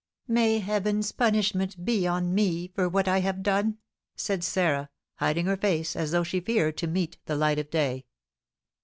"May Heaven's punishment be on me for what I have done!" said Sarah, hiding her face as though she feared to meet the light of day.